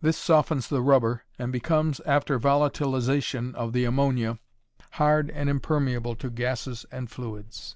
This softens the rubber, and becomes, after volatilization of the ammonia, hard and impermeable to gases and fluids.